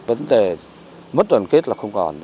vấn đề mất toàn kết là không còn